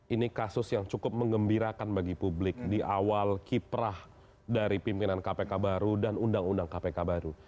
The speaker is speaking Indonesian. ini kasus yang cukup mengembirakan bagi publik di awal kiprah dari pimpinan kpk baru dan undang undang kpk baru